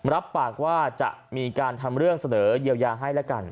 รับปากว่าจะมีการทำเรื่องเสนอเยียวยาให้แล้วกัน